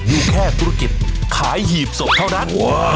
อยู่แค่ธุรกิจขายหีบศพเท่านั้น